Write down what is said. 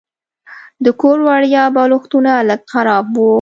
د کور وړیا بالښتونه لږ خراب وو.